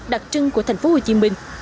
đặc trưng của thành phố hồ chí minh